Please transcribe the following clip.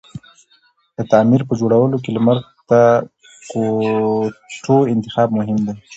د تعمير په جوړولو کی لمر ته کوتو انتخاب مهم دی